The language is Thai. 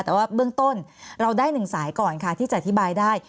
แต่ว่าเบื้องต้นเราได้หนึ่งสายก่อนค่ะที่จะอธิบายได้